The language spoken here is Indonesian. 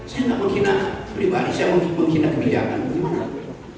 saya tidak menghina pribadi saya menghina kebijakan